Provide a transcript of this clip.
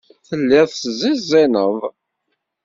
Telliḍ teẓẓiẓineḍ.